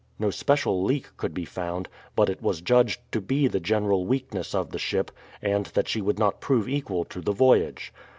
No special leak could be found, but it was judged to be the general weakness of the ship, and that she would not prove equal to the voyage.